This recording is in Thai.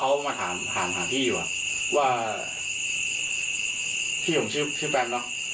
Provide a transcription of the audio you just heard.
เพราะว่าเขามาถามหาพี่อยู่ว่าที่ของชื่อชื่อแปมเนอะ